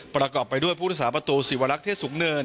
ประกอบไปด้วยพุทธศาสตร์ประตูสีวรักษณ์เทศสูงเนิน